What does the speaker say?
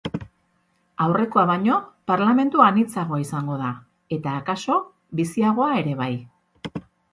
Aurrekoa baino parlamentu anitzagoa izango da, eta akaso biziagoa ere bai.